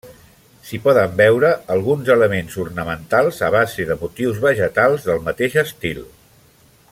S'hi poden veure alguns elements ornamentals a base de motius vegetals del mateix estil.